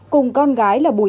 cùng con gái lê văn dũng